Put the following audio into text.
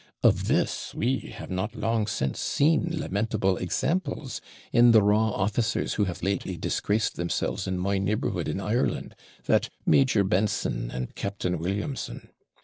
Of this we have not long since seen lamentable examples in the raw officers who have lately disgraced themselves in my neighbourhood in Ireland that Major Benson and Captain Williamson.